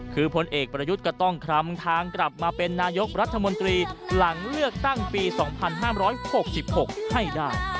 คือผลเอกประยุทธ์ก็ต้องคลำทางกลับมาเป็นนายกรัฐมนตรีหลังเลือกตั้งปี๒๕๖๖ให้ได้